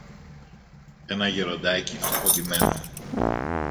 ένα γεροντάκι φτωχοντυμένο